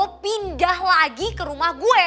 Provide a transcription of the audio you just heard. mau pindah lagi ke rumah gue